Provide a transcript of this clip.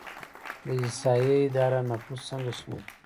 د احصایې اداره نفوس څنګه شمیري؟